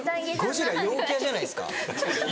ゴジラ陽キャじゃないですか？